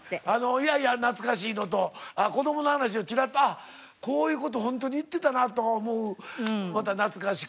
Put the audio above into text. いやいや懐かしいのと子どもの話をチラッとあっこういう事ホントに言ってたなと思うまた懐かしく。